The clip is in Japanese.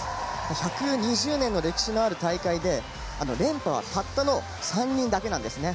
１２０年の歴史のある大会で連覇はたったの３人だけなんですね。